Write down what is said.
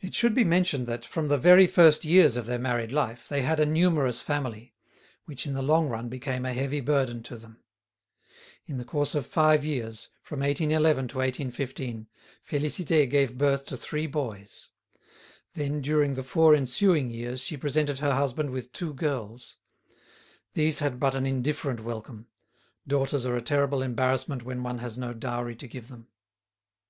It should be mentioned that, from the very first years of their married life, they had a numerous family, which in the long run became a heavy burden to them. In the course of five years, from 1811 to 1815, Félicité gave birth to three boys. Then during the four ensuing years she presented her husband with two girls. These had but an indifferent welcome; daughters are a terrible embarrassment when one has no dowry to give them.